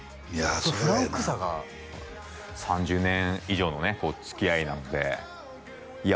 そのフランクさが３０年以上のねつきあいなのでいや